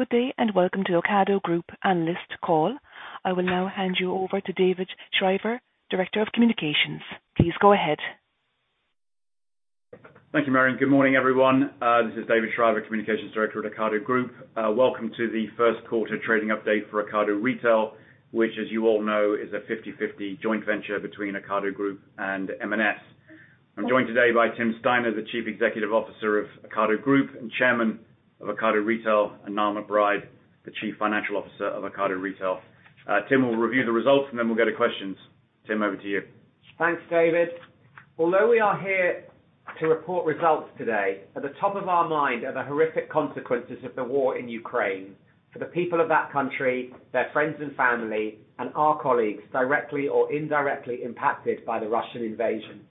Good day, and welcome to Ocado Group Analyst Call. I will now hand you over to David Shriver, Director of Communications. Please go ahead. Thank you, Marion. Good morning, everyone. This is David Shriver, Communications Director at Ocado Group. Welcome to the first quarter trading update for Ocado Retail, which as you all know, is a 50/50 joint venture between Ocado Group and M&S. I'm joined today by Tim Steiner, the Chief Executive Officer of Ocado Group and Chairman of Ocado Retail, and Niall McBride, the Chief Financial Officer of Ocado Retail. Tim will review the results, and then we'll go to questions. Tim, over to you. Thanks, David. Although we are here to report results today, at the top of our mind are the horrific consequences of the war in Ukraine for the people of that country, their friends and family, and our colleagues directly or indirectly impacted by the Russian invasion.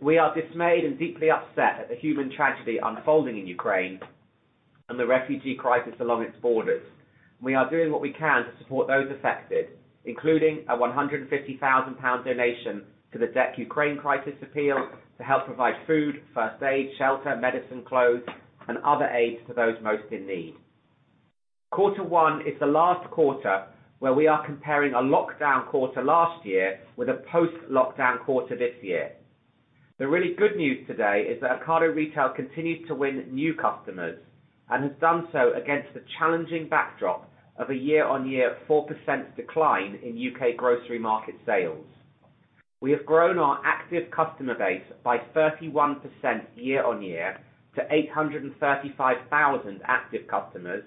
We are dismayed and deeply upset at the human tragedy unfolding in Ukraine and the refugee crisis along its borders. We are doing what we can to support those affected, including a 150,000 pound donation to the DEC Ukraine Humanitarian Appeal to help provide food, first aid, shelter, medicine, clothes, and other aids to those most in need. Quarter one is the last quarter where we are comparing a lockdown quarter last year with a post-lockdown quarter this year. The really good news today is that Ocado Retail continues to win new customers and has done so against the challenging backdrop of a year-on-year 4% decline in U.K. grocery market sales. We have grown our active customer base by 31% year-on-year to 835,000 active customers,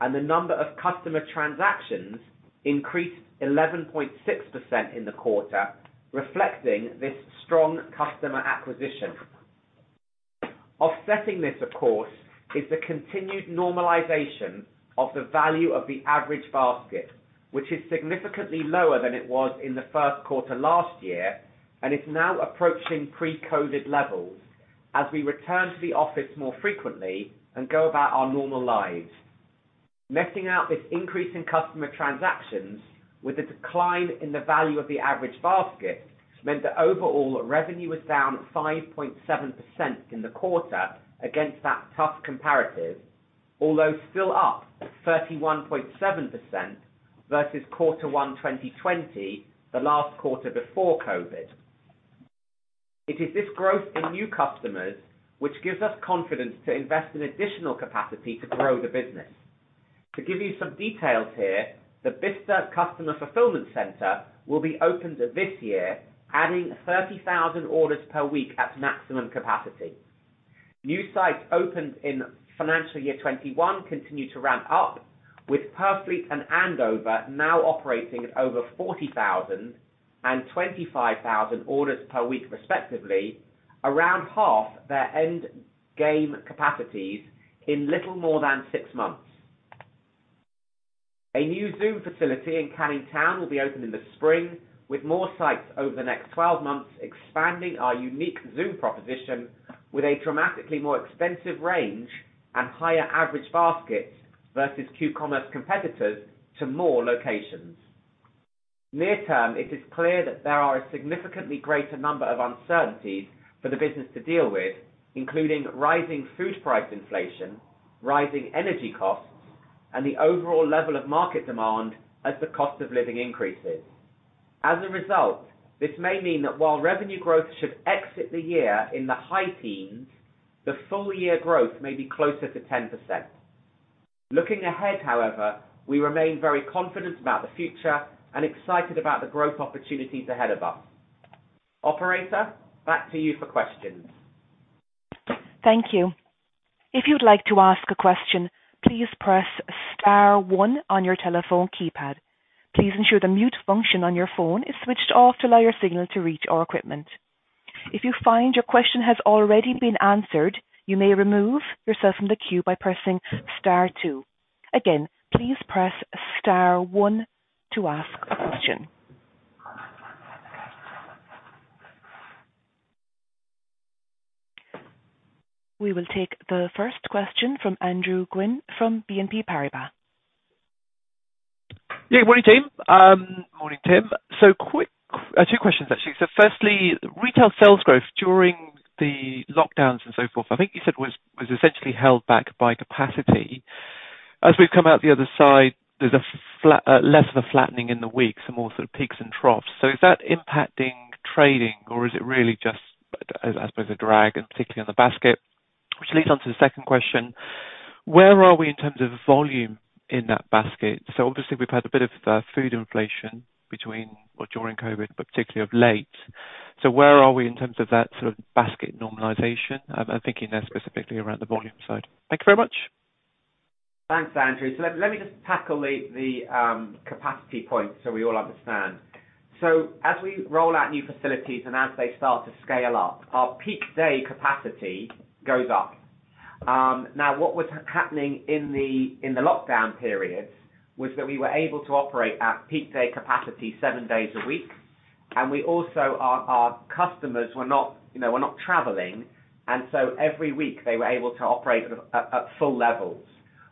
and the number of customer transactions increased 11.6% in the quarter, reflecting this strong customer acquisition. Offsetting this, of course, is the continued normalization of the value of the average basket, which is significantly lower than it was in the first quarter last year and is now approaching pre-COVID levels as we return to the office more frequently and go about our normal lives. Netting out this increase in customer transactions with the decline in the value of the average basket meant that overall revenue was down 5.7% in the quarter against that tough comparative, although still up 31.7% versus Q1 2020, the last quarter before COVID. It is this growth in new customers which gives us confidence to invest in additional capacity to grow the business. To give you some details here, the Bicester Customer Fulfillment Center will be opened this year, adding 30,000 orders per week at maximum capacity. New sites opened in financial year 2021 continue to ramp up, with Purfleet and Andover now operating at over 40,000 and 25,000 orders per week respectively, around half their end game capacities in little more than six months. A new Zoom facility in Canning Town will be open in the spring with more sites over the next 12 months, expanding our unique Zoom proposition with a dramatically more expensive range and higher average baskets versus Q-Commerce competitors to more locations. Near term, it is clear that there are a significantly greater number of uncertainties for the business to deal with, including rising food price inflation, rising energy costs, and the overall level of market demand as the cost of living increases. As a result, this may mean that while revenue growth should exit the year in the high teens, the full year growth may be closer to 10%. Looking ahead, however, we remain very confident about the future and excited about the growth opportunities ahead of us. Operator, back to you for questions. Thank you. If you'd like to ask a question, please press star one on your telephone keypad. Please ensure the mute function on your phone is switched off to allow your signal to reach our equipment. If you find your question has already been answered, you may remove yourself from the queue by pressing star two. Again, please press star one to ask a question. We will take the first question from Andrew Gwynn from BNP Paribas. Yeah. Good morning, team. Morning, Tim. Quick two questions, actually. Firstly, retail sales growth during the lockdowns and so forth, I think you said was essentially held back by capacity. As we've come out the other side, there's less of a flattening in the wake, some more sort of peaks and troughs. Is that impacting trading, or is it really just, I suppose a drag, and particularly on the basket? Which leads on to the second question. Where are we in terms of volume in that basket? Obviously we've had a bit of food inflation between or during COVID, but particularly of late. Where are we in terms of that sort of basket normalization? I'm thinking there specifically around the volume side. Thank you very much. Thanks, Andrew. Let me just tackle the capacity point so we all understand. As we roll out new facilities and as they start to scale up, our peak day capacity goes up. Now, what was happening in the lockdown periods was that we were able to operate at peak day capacity seven days a week. We also, our customers were not traveling, and so every week they were able to operate at full levels.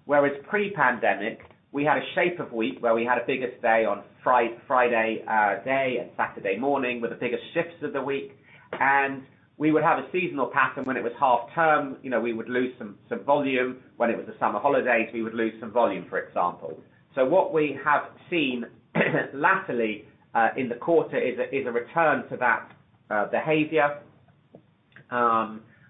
Whereas pre-pandemic, we had a shape of week where we had a biggest day on Friday and Saturday morning, with the biggest shifts of the week. We would have a seasonal pattern when it was half-term, we would lose some volume. When it was the summer holidays, we would lose some volume, for example. What we have seen latterly in the quarter is a return to that behavior,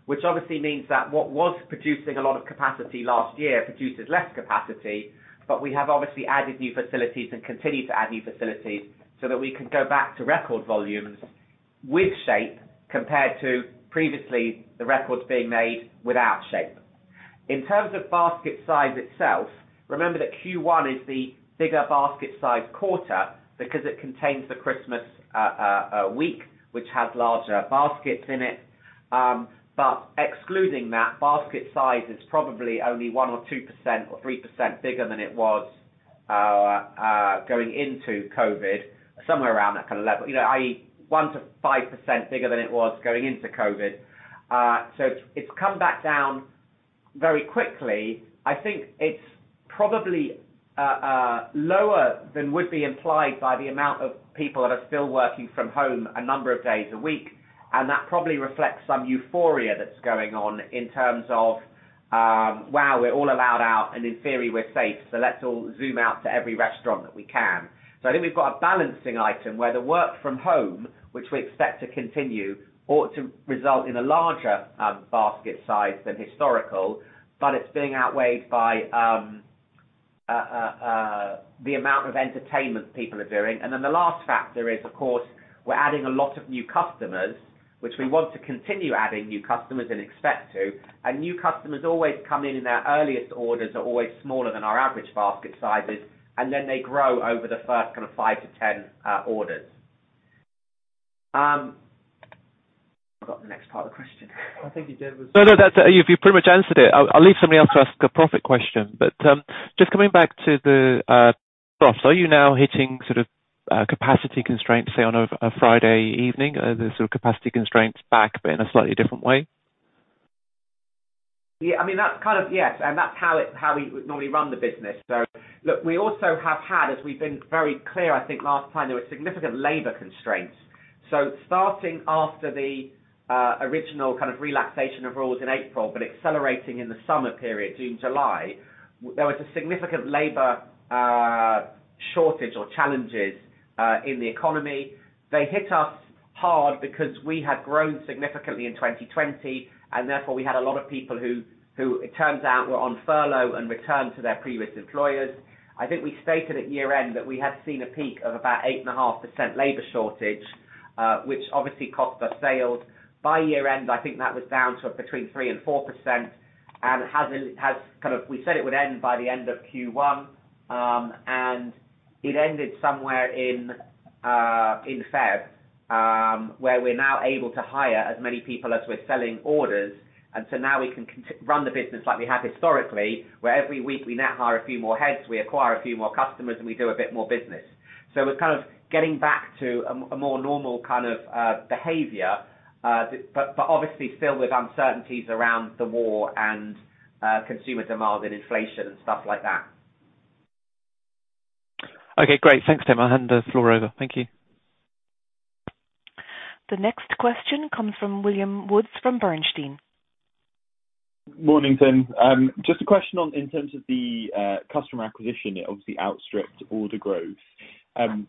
which obviously means that what was producing a lot of capacity last year produces less capacity, but we have obviously added new facilities and continue to add new facilities so that we can go back to record volumes with Shape compared to previously the records being made without Shape. In terms of basket size itself, remember that Q1 is the bigger basket size quarter because it contains the Christmas week, which has larger baskets in it. Excluding that, basket size is probably only 1% or 2% or 3% bigger than it was going into COVID, somewhere around that kind of level. You know, i.e., 1%-5% bigger than it was going into COVID. It's come back down very quickly. I think it's probably lower than would be implied by the amount of people that are still working from home a number of days a week, and that probably reflects some euphoria that's going on in terms of, wow, we're all allowed out, and in theory, we're safe, so let's all zoom out to every restaurant that we can. I think we've got a balancing item where the work from home, which we expect to continue, ought to result in a larger basket size than historical, but it's being outweighed by the amount of entertainment people are doing. The last factor is, of course, we're adding a lot of new customers, which we want to continue adding new customers and expect to, and new customers always come in and their earliest orders are always smaller than our average basket sizes, and then they grow over the first kind of 5-10 orders. Forgot the next part of the question. I think you did was- No, no, that's. You pretty much answered it. I'll leave somebody else to ask a profit question. Just coming back to the profits, are you now hitting sort of capacity constraints, say, on a Friday evening? Are there sort of capacity constraints back, but in a slightly different way? Yeah, I mean, yes, and that's how we normally run the business. Look, we also have had, as we've been very clear, I think last time, there were significant labor constraints. Starting after the original kind of relaxation of rules in April, but accelerating in the summer period, June, July, there was a significant labor shortage or challenges in the economy. They hit us hard because we had grown significantly in 2020, and therefore, we had a lot of people who it turns out were on furlough and returned to their previous employers. I think we stated at year-end that we had seen a peak of about 8.5% labor shortage, which obviously cost us sales. By year-end, I think that was down to between 3% and 4%. We said it would end by the end of Q1, and it ended somewhere in February, where we're now able to hire as many people as we're selling orders. Now we can run the business like we have historically, where every week we net hire a few more heads, we acquire a few more customers, and we do a bit more business. We're kind of getting back to a more normal kind of behavior, but obviously still with uncertainties around the war and consumer demand and inflation and stuff like that. Okay, great. Thanks, Tim. I'll hand the floor over. Thank you. The next question comes from William Woods from Bernstein. Morning, Tim. Just a question on in terms of the customer acquisition, it obviously outstripped order growth.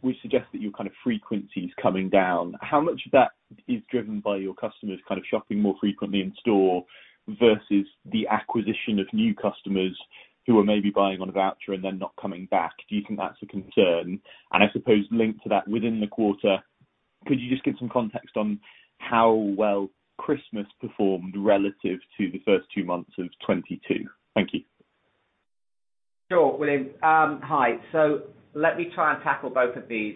We suggest that your kind of frequency's coming down. How much of that is driven by your customers kind of shopping more frequently in store versus the acquisition of new customers who are maybe buying on a voucher and then not coming back? Do you think that's a concern? I suppose linked to that within the quarter, could you just give some context on how well Christmas performed relative to the first two months of 2022? Thank you. Sure, William. Hi. Let me try and tackle both of these.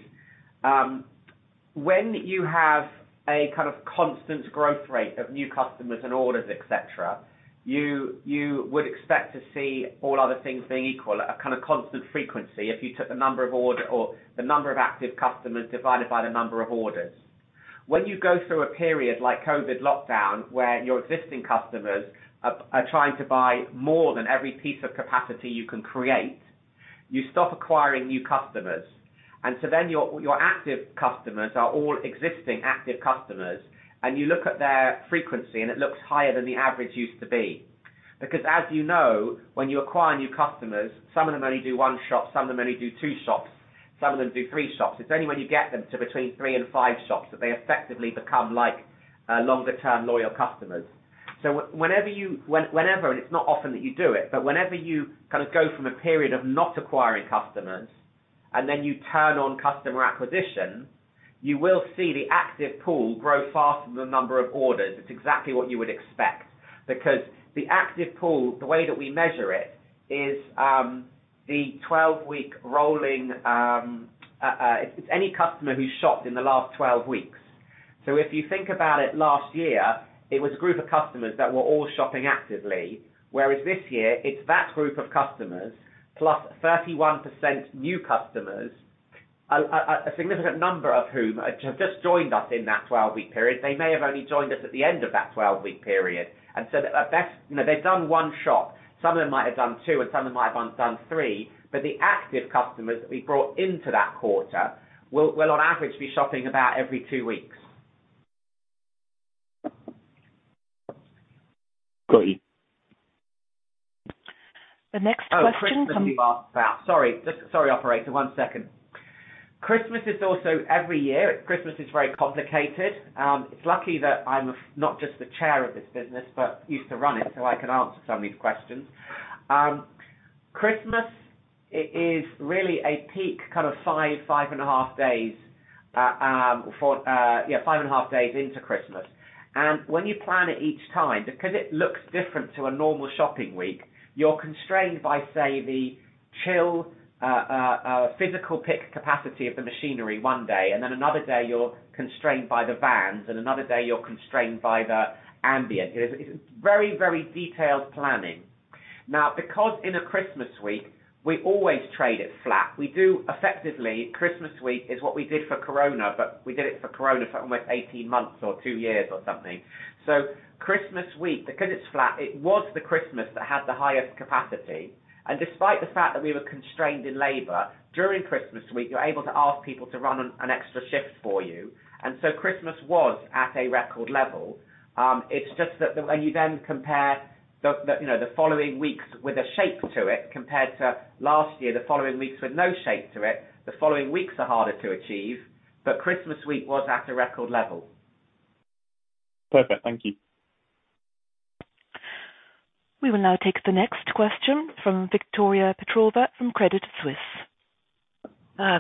When you have a kind of constant growth rate of new customers and orders, etc., you would expect to see all other things being equal at a kind of constant frequency if you took the number of orders or the number of active customers divided by the number of orders. When you go through a period like COVID lockdown, where your existing customers are trying to buy more than every piece of capacity you can create, you stop acquiring new customers. Your active customers are all existing active customers, and you look at their frequency and it looks higher than the average used to be. Because as you know, when you acquire new customers, some of them only do one shop, some of them only do two shops, some of them do three shops. It's only when you get them to between three and five shops that they effectively become like long-term loyal customers. It's not often that you do it, but whenever you kind of go from a period of not acquiring customers and then you turn on customer acquisition, you will see the active pool grow faster than the number of orders. It's exactly what you would expect. Because the active pool, the way that we measure it, is the 12-week rolling. It's any customer who shopped in the last 12 weeks. If you think about it last year, it was a group of customers that were all shopping actively, whereas this year it's that group of customers, plus 31% new customers, a significant number of whom have just joined us in that 12-week period. They may have only joined us at the end of that 12-week period. At best, you know, they've done one shop. Some of them might have done two, and some of them might have done three. But the active customers that we brought into that quarter will on average be shopping about every two weeks. Got you. The next question comes. Oh, Christmas you asked about. Sorry, operator, one second. Christmas is also every year. Christmas is very complicated. It's lucky that I'm not just the chair of this business, but used to run it so I can answer some of these questions. Christmas is really a peak kind of 5.5 days into Christmas. When you plan it each time, because it looks different to a normal shopping week, you're constrained by, say, the chill physical pick capacity of the machinery one day, and then another day you're constrained by the vans, and another day you're constrained by the ambient. It's very detailed planning. Now, because in a Christmas week, we always trade it flat. We do effectively. Christmas week is what we did for Corona, but we did it for Corona for almost 18 months or two years or something. Christmas week, because it's flat, it was the Christmas that had the highest capacity. Despite the fact that we were constrained in labor, during Christmas week you're able to ask people to run an extra shift for you. Christmas was at a record level. It's just that when you then compare the, you know, the following weeks with a shape to it, compared to last year, the following weeks with no shape to it, the following weeks are harder to achieve, but Christmas week was at a record level. Perfect. Thank you. We will now take the next question from Victoria Petrova from Credit Suisse.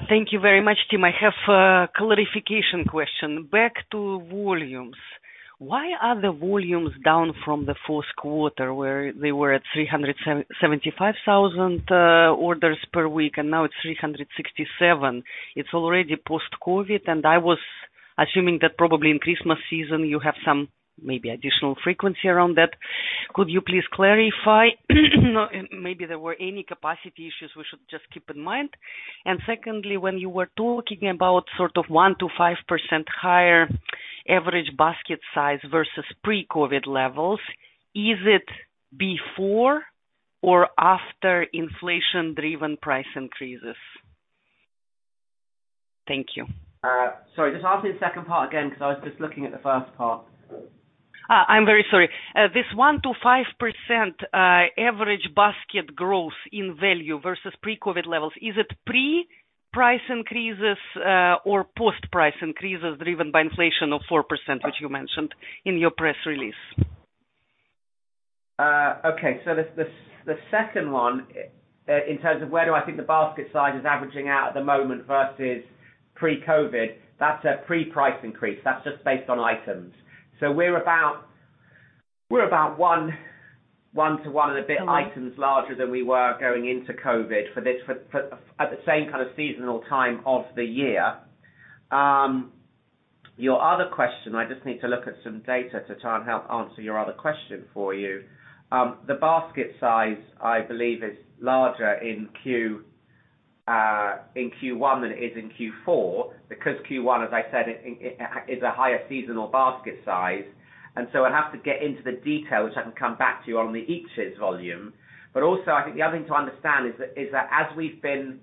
Thank you very much, Tim. I have a clarification question. Back to volumes. Why are the volumes down from the fourth quarter, where they were at 375,000 orders per week, and now it's 367? It's already post-COVID, and I was assuming that probably in Christmas season you have some maybe additional frequency around that. Could you please clarify? Maybe there were any capacity issues we should just keep in mind. Secondly, when you were talking about sort of 1%-5% higher average basket size versus pre-COVID levels, is it before or after inflation-driven price increases? Thank you. Sorry, just ask me the second part again, because I was just looking at the first part. I'm very sorry. This 1%-5% average basket growth in value versus pre-COVID levels, is it pre-price increases or post-price increases driven by inflation of 4%, which you mentioned in your press release? Okay, the second one, in terms of where do I think the basket size is averaging out at the moment versus pre-COVID, that's a pre-price increase. That's just based on items. We're about one to one and a bit items larger than we were going into COVID for this at the same kind of seasonal time of the year. Your other question, I just need to look at some data to try and help answer your other question for you. The basket size, I believe is larger in Q1 than it is in Q4 because Q1, as I said, is a higher seasonal basket size. I'd have to get into the details so I can come back to you on the eaches volume. Also I think the other thing to understand is that as we've been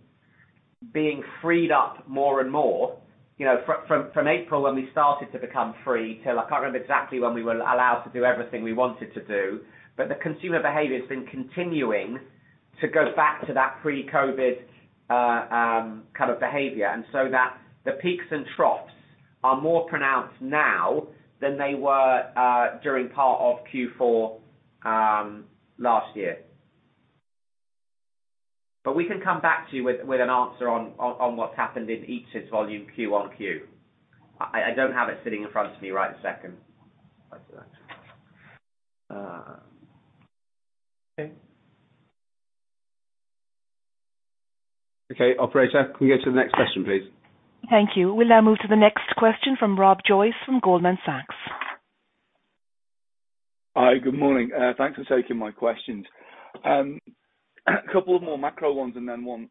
being freed up more and more, you know, from April when we started to become free till I can't remember exactly when we were allowed to do everything we wanted to do, but the consumer behavior has been continuing to go back to that pre-COVID kind of behavior, so that the peaks and troughs are more pronounced now than they were during part of Q4 last year. We can come back to you with an answer on what's happened in each's volume Q on Q. I don't have it sitting in front of me right this second. Okay. Okay. Operator, can we go to the next question, please? Thank you. We'll now move to the next question from Rob Joyce from Goldman Sachs. Hi, good morning. Thanks for taking my questions. A couple of more macro ones and then one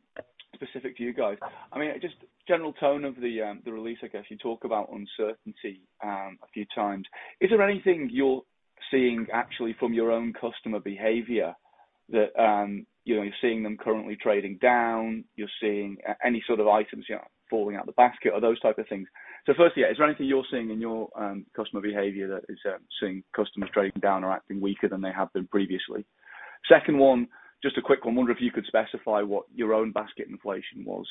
specific to you guys. I mean, just general tone of the release, I guess you talk about uncertainty a few times. Is there anything you're seeing actually from your own customer behavior that, you know, you're seeing them currently trading down, you're seeing any sort of items, you know, falling out the basket or those type of things. Firstly, is there anything you're seeing in your customer behavior that is seeing customers trading down or acting weaker than they have been previously? Second one, just a quick one. I wonder if you could specify what your own basket inflation was,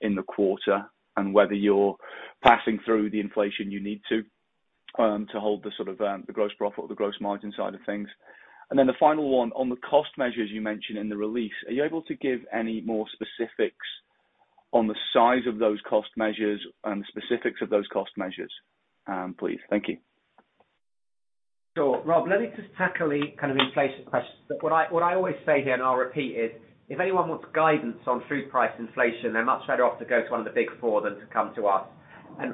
in the quarter and whether you're passing through the inflation you need to hold the sort of gross profit or the gross margin side of things? The final one, on the cost measures you mentioned in the release, are you able to give any more specifics on the size of those cost measures and the specifics of those cost measures, please? Thank you. Sure. Rob, let me just tackle the kind of inflation question. What I always say here, and I'll repeat, is if anyone wants guidance on food price inflation, they're much better off to go to one of the Big Four than to come to us.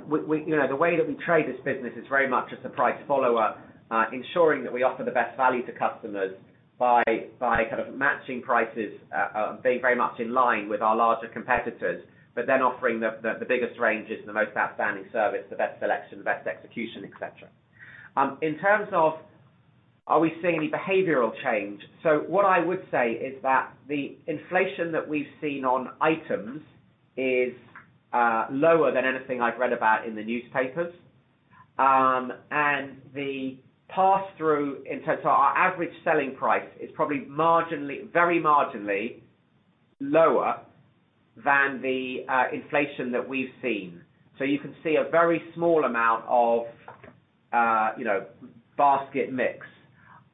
We, you know, the way that we trade this business is very much as the price follower, ensuring that we offer the best value to customers by kind of matching prices, being very much in line with our larger competitors, but then offering the biggest ranges, the most outstanding service, the best selection, the best execution, et cetera. In terms of are we seeing any behavioral change? What I would say is that the inflation that we've seen on items is lower than anything I've read about in the newspapers. The pass-through in terms of our average selling price is probably marginally, very marginally lower than the inflation that we've seen. You can see a very small amount of you know, basket mix.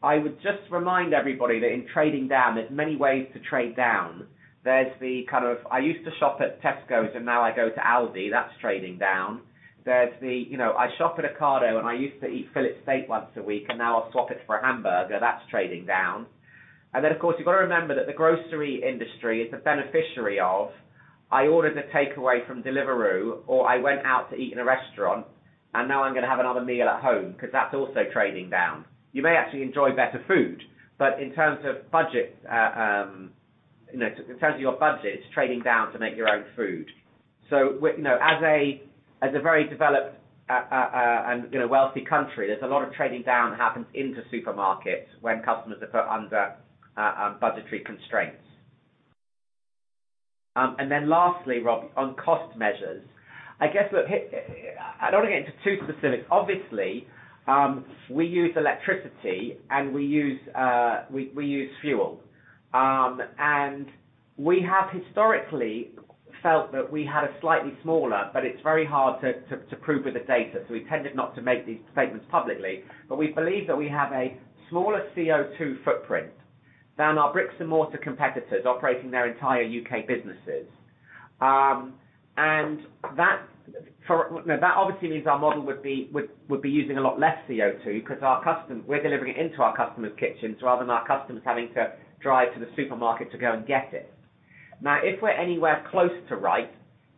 I would just remind everybody that in trading down, there's many ways to trade down. There's the kind of, I used to shop at Tesco, so now I go to Aldi, that's trading down. There's the, you know, I shop at Ocado, and I used to eat fillet steak once a week, and now I swap it for a hamburger, that's trading down. Of course, you've got to remember that the grocery industry is the beneficiary of, I ordered a takeaway from Deliveroo, or I went out to eat in a restaurant, and now I'm gonna have another meal at home because that's also trading down. You may actually enjoy better food, but in terms of budget, you know, in terms of your budget, it's trading down to make your own food. You know, as a very developed and you know, wealthy country, there's a lot of trading down that happens into supermarkets when customers are put under budgetary constraints. Lastly, Rob, on cost measures, I guess, look, here I don't want to get into too specific. Obviously, we use electricity and we use fuel. We have historically felt that we had a slightly smaller, but it's very hard to prove with the data, so we tended not to make these statements publicly. We believe that we have a smaller CO2 footprint than our bricks-and-mortar competitors operating their entire U.K. businesses. That obviously means our model would be using a lot less CO2 because we're delivering it into our customer's kitchens rather than our customers having to drive to the supermarket to go and get it. Now, if we're anywhere close to right,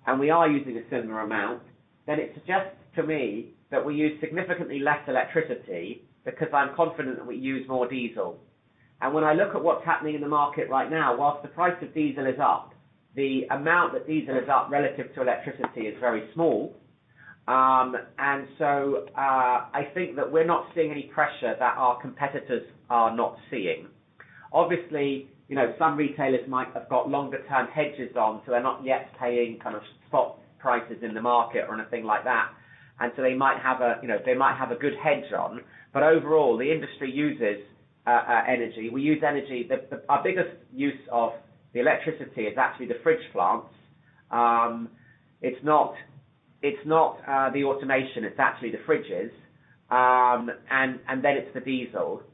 and we are using a similar amount, then it suggests to me that we use significantly less electricity because I'm confident that we use more diesel. When I look at what's happening in the market right now, while the price of diesel is up, the amount that diesel is up relative to electricity is very small. I think that we're not seeing any pressure that our competitors are not seeing. Obviously, you know, some retailers might have got longer-term hedges on, so they're not yet paying kind of spot prices in the market or anything like that. They might have a, you know, good hedge on. Overall, the industry uses energy. We use energy. Our biggest use of the electricity is actually the fridge plants. It's not the automation, it's actually the fridges. Then it's the diesel.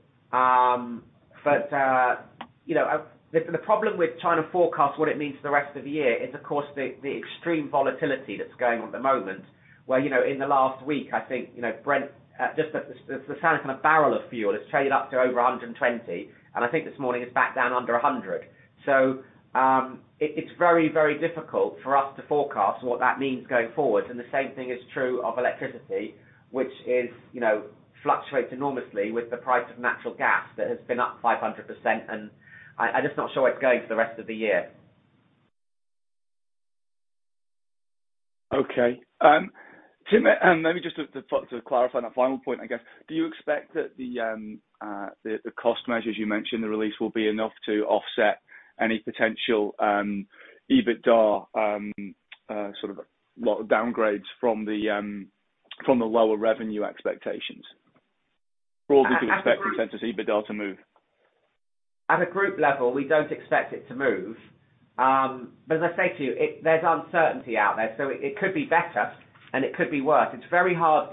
You know, the problem with trying to forecast what it means for the rest of the year is, of course, the extreme volatility that's going on at the moment, where you know, in the last week, I think, you know, Brent Crude, the price of a barrel of oil, it's traded up to over $120, and I think this morning it's back down under $100. It's very difficult for us to forecast what that means going forward. The same thing is true of electricity, which you know, fluctuates enormously with the price of natural gas that has been up 500%. I'm just not sure where it's going for the rest of the year. Okay. Tim, maybe just to clarify that final point, I guess. Do you expect that the cost measures you mentioned in the release will be enough to offset any potential EBITDA sort of low downgrades from the lower revenue expectations? Or do you expect the consensus EBITDA to move? At a group level, we don't expect it to move. As I say to you, there's uncertainty out there, so it could be better and it could be worse. It's very hard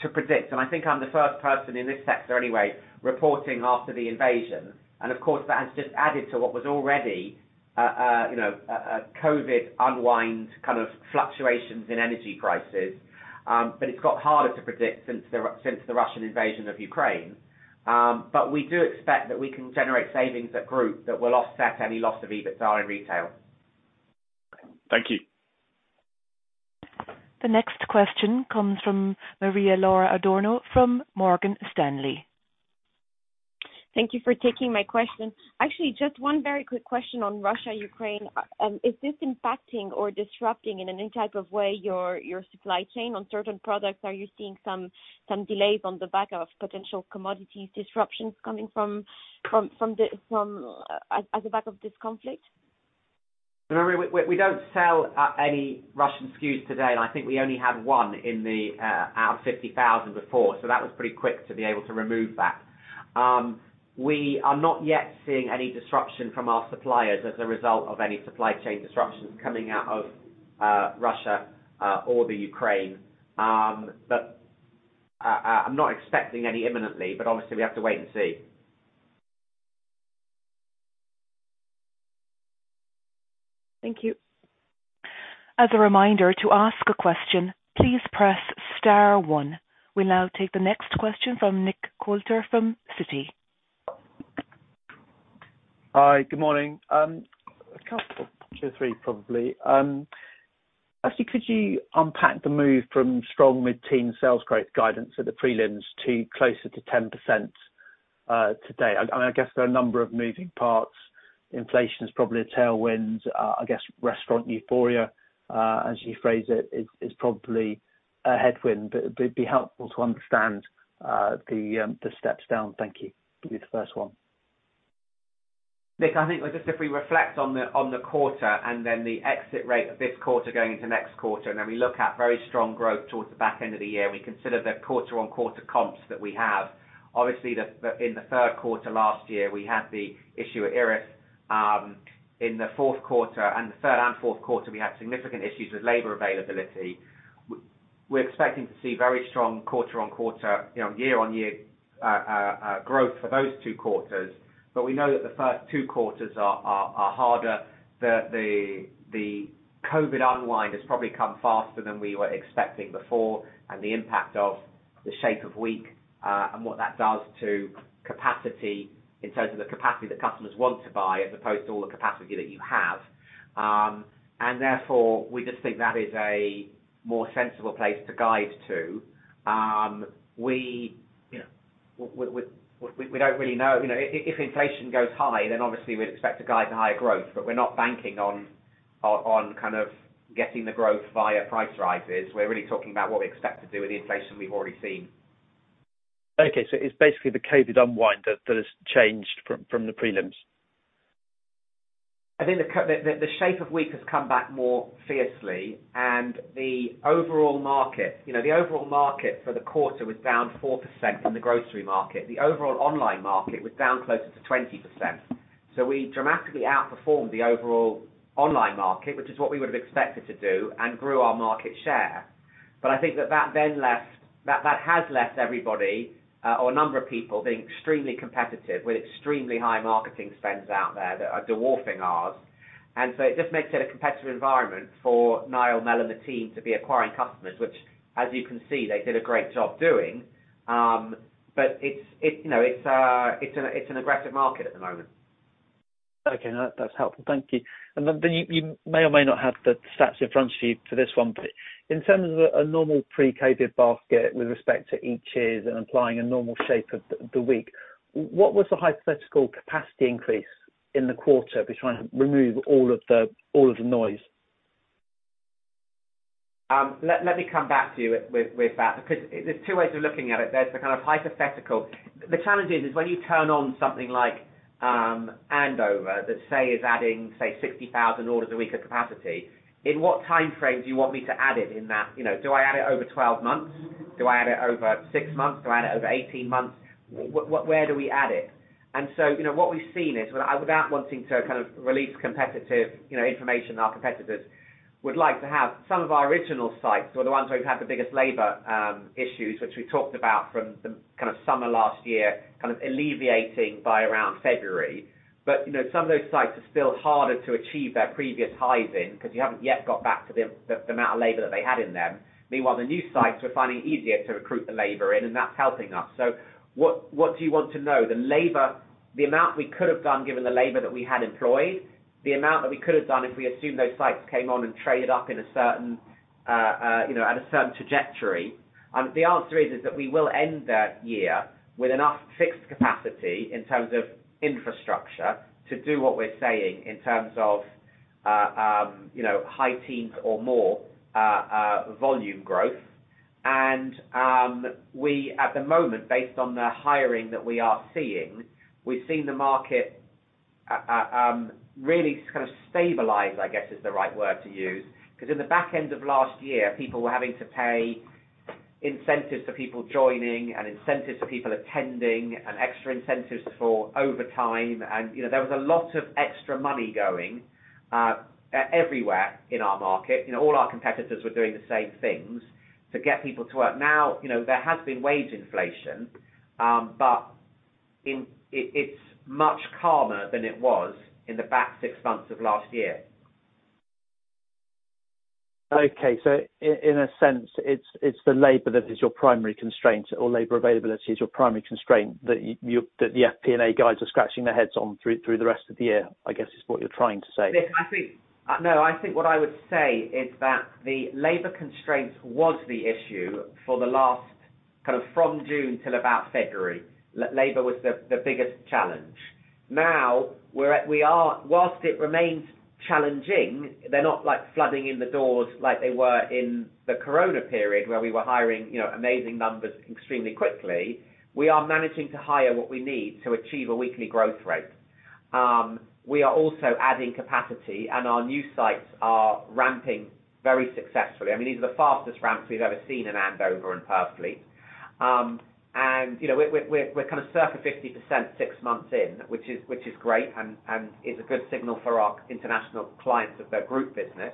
to predict, and I think I'm the first person, in this sector anyway, reporting after the invasion. Of course, that has just added to what was already, you know, a COVID unwind kind of fluctuations in energy prices. It's got harder to predict since the Russian invasion of Ukraine. We do expect that we can generate savings at group that will offset any loss of EBITDA in retail. Thank you. The next question comes from Maria-Laura Adurno from Morgan Stanley. Thank you for taking my question. Actually, just one very quick question on Russia, Ukraine. Is this impacting or disrupting in any type of way your supply chain on certain products? Are you seeing some delays on the back of potential commodities disruptions coming from the backdrop of this conflict? Maria, we don't sell any Russian SKUs today, and I think we only had one out of 50,000 before. That was pretty quick to be able to remove that. We are not yet seeing any disruption from our suppliers as a result of any supply chain disruptions coming out of Russia or the Ukraine. I'm not expecting any imminently, but obviously we have to wait and see. Thank you. As a reminder, to ask a question, please press star one. We'll now take the next question from Nick Coulter from Citi. Hi, good morning. A couple, two or three probably. Actually could you unpack the move from strong mid-teen sales growth guidance at the prelims to closer to 10%, today? I guess there are a number of moving parts. Inflation is probably a tailwind. I guess restaurant euphoria, as you phrase it, is probably a headwind. It'd be helpful to understand the steps down. Thank you. You're the first one. Nick, I think just if we reflect on the quarter and then the exit rate of this quarter going into next quarter, and then we look at very strong growth towards the back end of the year, we consider the quarter-on-quarter comps that we have. Obviously in the third quarter last year, we had the issue with Erith. In the fourth quarter and the third and fourth quarter, we had significant issues with labor availability. We're expecting to see very strong quarter-on-quarter, you know, year-on-year growth for those two quarters. We know that the first two quarters are harder. The COVID unwind has probably come faster than we were expecting before, and the impact of the shape of week and what that does to capacity in terms of the capacity that customers want to buy, as opposed to all the capacity that you have. Therefore, we just think that is a more sensible place to guide to. You know, we don't really know. You know, if inflation goes high, then obviously we'd expect to guide to higher growth, but we're not banking on on kind of getting the growth via price rises. We're really talking about what we expect to do with the inflation we've already seen. Okay. It's basically the COVID unwind that has changed from the prelims. I think the shape of the week has come back more fiercely and the overall market, you know, the overall market for the quarter was down 4% in the grocery market. The overall online market was down closer to 20%. We dramatically outperformed the overall online market, which is what we would have expected to do, and grew our market share. I think that has left everybody or a number of people being extremely competitive with extremely high marketing spends out there that are dwarfing ours. It just makes it a competitive environment for Niall, Mel, and the team to be acquiring customers, which as you can see, they did a great job doing. It's you know an aggressive market at the moment. Okay, no, that's helpful. Thank you. You may or may not have the stats in front of you for this one, but in terms of a normal pre-COVID basket with respect to each year and applying a normal shape of the week, what was the hypothetical capacity increase in the quarter between, remove all of the noise? Let me come back to you with that because there's two ways of looking at it. There's the kind of hypothetical. The challenge is when you turn on something like Andover that, say, is adding, say, 60,000 orders a week of capacity, in what time frame do you want me to add it in that? You know, do I add it over 12 months? Do I add it over six months? Do I add it over 18 months? Where do we add it? You know, what we've seen is without wanting to kind of release competitive information that our competitors would like to have, some of our original sites or the ones where we've had the biggest labor issues, which we talked about from the kind of summer last year, kind of alleviating by around February. You know, some of those sites are still harder to achieve their previous highs in 'cause you haven't yet got back to the amount of labor that they had in them. Meanwhile, the new sites, we're finding it easier to recruit the labor in, and that's helping us. What do you want to know? The labor, the amount we could have done given the labor that we had employed, the amount that we could have done if we assume those sites came on and traded up in a certain, you know, at a certain trajectory? The answer is that we will end the year with enough fixed capacity in terms of infrastructure to do what we're saying in terms of, you know, high teens or more, volume growth. We at the moment, based on the hiring that we are seeing, we've seen the market really kind of stabilize, I guess, is the right word to use. 'Cause in the back end of last year, people were having to pay incentives for people joining and incentives for people attending and extra incentives for overtime. You know, there was a lot of extra money going everywhere in our market. You know, all our competitors were doing the same things to get people to work. Now, you know, there has been wage inflation, but it's much calmer than it was in the back six months of last year. Okay, so in a sense, it's the labor that is your primary constraint or labor availability is your primary constraint that the FP&A guys are scratching their heads on through the rest of the year, I guess, is what you're trying to say. Nick, I think what I would say is that the labor constraints was the issue for the last, kind of from June till about February. Labor was the biggest challenge. Now, we are, whilst it remains challenging, they're not, like, flooding in the doors like they were in the Corona period, where we were hiring, you know, amazing numbers extremely quickly. We are managing to hire what we need to achieve a weekly growth rate. We are also adding capacity, and our new sites are ramping very successfully. I mean, these are the fastest ramps we've ever seen in Andover and Purfleet. You know, we're kind of circa 50% six months in, which is great and is a good signal for our international clients of their group business.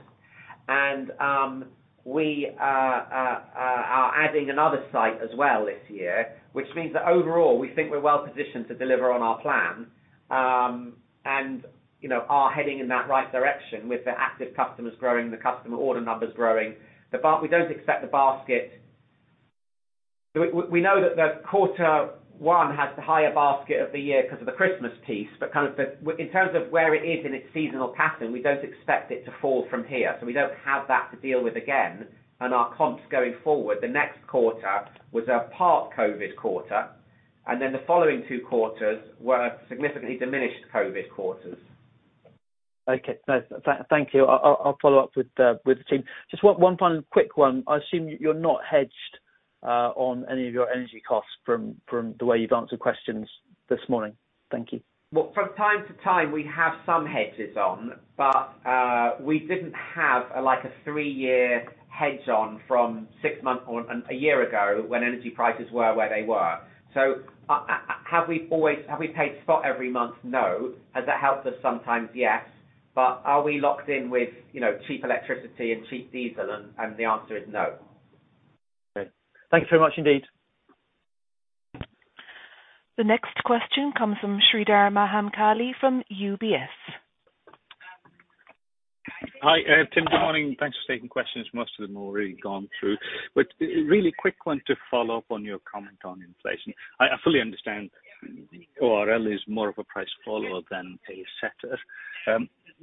We are adding another site as well this year, which means that overall, we think we're well-positioned to deliver on our plan, and, you know, are heading in that right direction with the active customers growing, the customer order numbers growing. We don't expect the basket to fall from here, so we don't have that to deal with again. We know that the quarter one has the higher basket of the year 'cause of the Christmas peak, but in terms of where it is in its seasonal pattern, we don't expect it to fall from here. Our comps going forward, the next quarter was a part COVID quarter, and then the following two quarters were significantly diminished COVID quarters. Okay. No, thank you. I'll follow up with the team. Just one final quick one. I assume you're not hedged on any of your energy costs from the way you've answered questions this morning. Thank you. Well, from time to time we have some hedges on, but we didn't have, like, a three-year hedge on from six months or a year ago when energy prices were where they were. So have we always paid spot every month? No. Has that helped us sometimes? Yes. But are we locked in with, you know, cheap electricity and cheap diesel and the answer is no. Okay. Thank you very much indeed. The next question comes from Sreedhar Mahamkali from UBS. Hi, Tim, good morning. Thanks for taking questions. Most of them already gone through. Really quick one to follow up on your comment on inflation. I fully understand ORL is more of a price follower than a setter.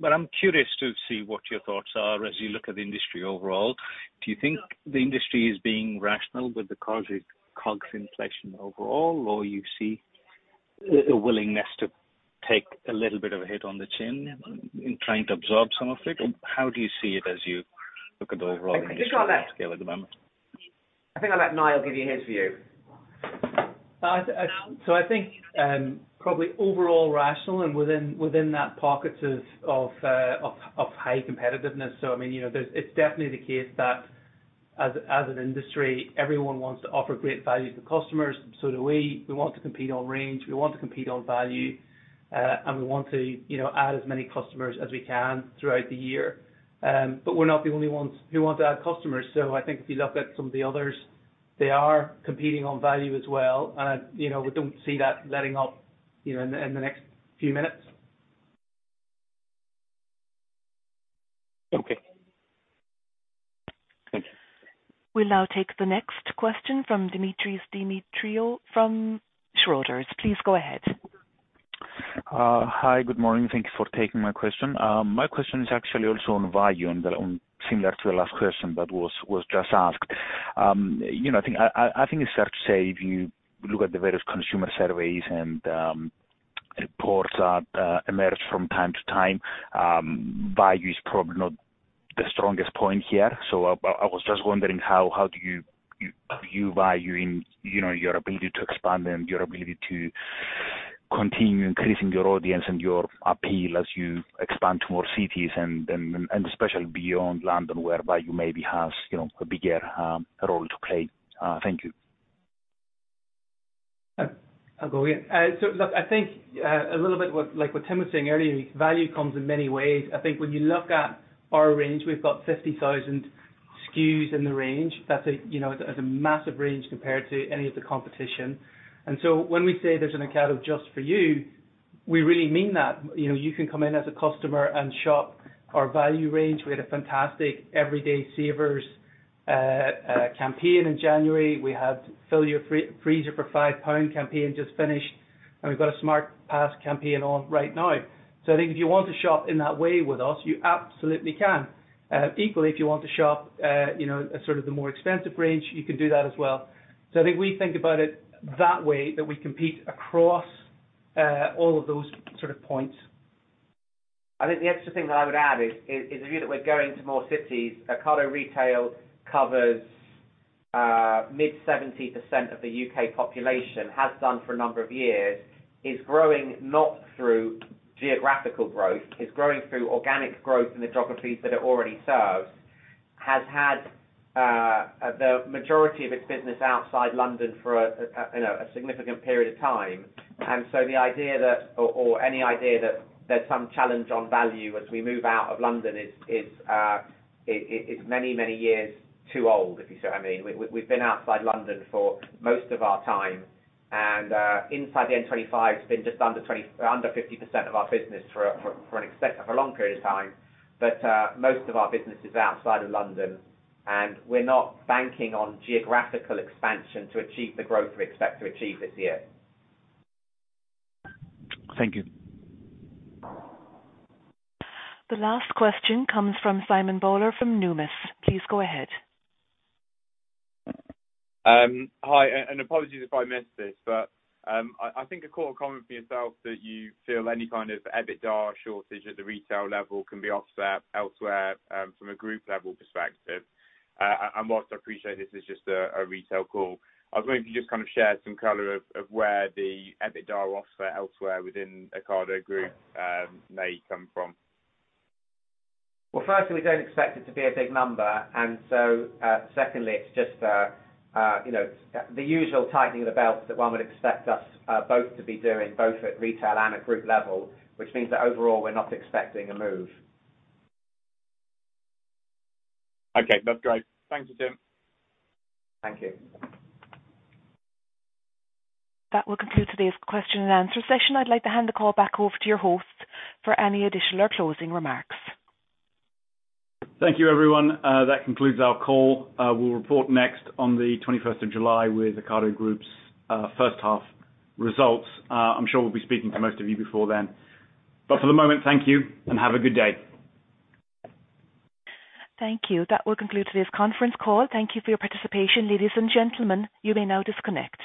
I'm curious to see what your thoughts are as you look at the industry overall. Do you think the industry is being rational with the COGS inflation overall, or you see a willingness to take a little bit of a hit on the chin in trying to absorb some of it? Or how do you see it as you look at the overall industry scale at the moment? I think I'll let Niall give you his view. I think probably overall rational and within that pockets of high competitiveness. I mean, you know, there's it's definitely the case that as an industry, everyone wants to offer great value to customers. Do we. We want to compete on range, we want to compete on value, and we want to, you know, add as many customers as we can throughout the year. But we're not the only ones who want to add customers. I think if you look at some of the others, they are competing on value as well. You know, we don't see that letting up, you know, in the next few minutes. Okay. Thank you. We'll now take the next question from Dimitris Dimitriou from Schroders. Please go ahead. Hi, good morning. Thank you for taking my question. My question is actually also on value and similar to the last question that was just asked. You know, I think it's fair to say if you look at the various consumer surveys and reports that emerge from time to time, value is probably not the strongest point here. I was just wondering how you view value in your ability to expand and your ability to continue increasing your audience and your appeal as you expand to more cities and especially beyond London, whereby you maybe have a bigger role to play. Thank you. I'll go again. Look, I think a little bit like what Tim was saying earlier, value comes in many ways. I think when you look at our range, we've got 50,000 SKUs in the range. That's you know, that's a massive range compared to any of the competition. When we say there's an Ocado just for you, we really mean that. You know, you can come in as a customer and shop our value range. We had a fantastic Everyday Savers campaign in January. We had Fill Your Freezer for £5 campaign just finished, and we've got a Smart Pass campaign on right now. I think if you want to shop in that way with us, you absolutely can. Equally, if you want to shop, you know, sort of the more expensive range, you can do that as well. I think we think about it that way, that we compete across all of those sort of points. I think the extra thing that I would add is the view that we're going to more cities. Ocado Retail covers mid-70% of the U.K. population, has done for a number of years, is growing not through geographical growth, is growing through organic growth in the geographies that it already serves. Has had the majority of its business outside London for, you know, a significant period of time. The idea that any idea that there's some challenge on value as we move out of London is many years too old, if you see what I mean. We've been outside London for most of our time, and inside the M25's been just under 50% of our business for a long period of time. Most of our business is outside of London, and we're not banking on geographical expansion to achieve the growth we expect to achieve this year. Thank you. The last question comes from Simon Bowler from Numis. Please go ahead. Hi, and apologies if I missed this, but I think I caught a comment from yourself that you feel any kind of EBITDA shortage at the retail level can be offset elsewhere, from a group level perspective. While I appreciate this is just a retail call, I was wondering if you could just kind of share some color of where the EBITDA offset elsewhere within Ocado Group may come from. Well, firstly, we don't expect it to be a big number. Secondly, it's just, you know, the usual tightening of the belt that one would expect us both to be doing at retail and at group level, which means that overall we're not expecting a move. Okay. That's great. Thank you, Tim. Thank you. That will conclude today's question and answer session. I'd like to hand the call back over to your host for any additional or closing remarks. Thank you, everyone. That concludes our call. We'll report next on the 21st of July with Ocado Group's first half results. I'm sure we'll be speaking to most of you before then. For the moment, thank you, and have a good day. Thank you. That will conclude today's conference call. Thank you for your participation. Ladies and gentlemen, you may now disconnect.